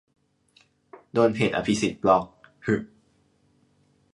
โดนเพจอภิสิทธิ์บล็อค หึ